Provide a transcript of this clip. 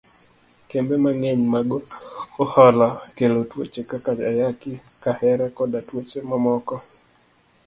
Kembe mang'eny mag ohala kelo tuoche kaka ayaki, kahera, koda tuoche ma moko.